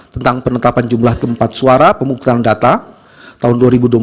tentang penetapan jumlah tempat suara pemukulan data tahun dua ribu empat